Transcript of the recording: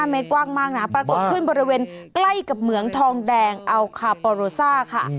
เมตรกว้างมากนะปรากฏขึ้นบริเวณใกล้กับเหมืองทองแดงอัลคาปอโรซ่าค่ะ